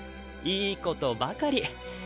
いいことばかり。